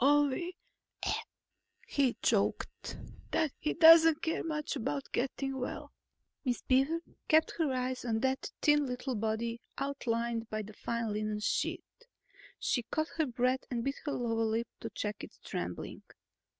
Only," he choked, "that he doesn't care much about getting well." Miss Beaver kept her eyes on that thin little body outlined by the fine linen sheet. She caught her breath and bit her lower lip to check its trembling.